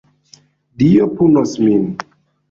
Dio punos min!